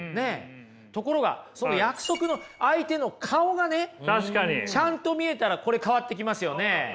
ところがその約束の相手の顔がねちゃんと見えたらこれ変わってきますよね。